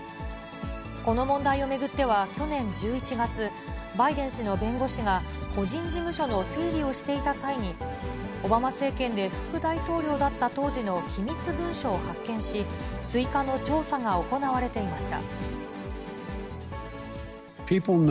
この問題を巡っては去年１１月、バイデン氏の弁護士が個人事務所の整理をしていた際に、オバマ政権で副大統領だった当時の機密文書を発見し、追加の調査が行われていました。